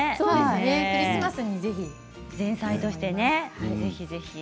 クリスマスにぜひ前菜として、ぜひぜひ。